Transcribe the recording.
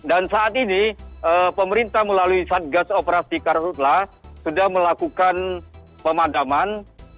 dan saat ini pemerintah melalui satgas operasi karhutlah sudah melakukan pemadaman